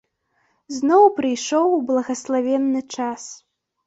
Зноў прыйшоў благаславенны час.